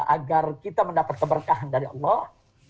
agar kita mendapat keberkahan dari allah